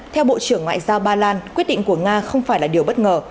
theo bộ trưởng ngoại giao ba lan quyết định của nga không phải là điều bất ngờ